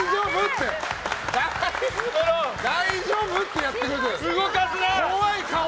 大丈夫？ってやってくれてる。